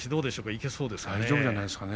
いけそうですかね？